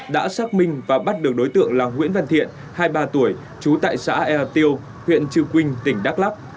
đã xác minh và bắt được đối tượng là nguyễn văn thiện hai mươi ba tuổi trú tại xã ea tiêu huyện trư quynh tỉnh đắk lắc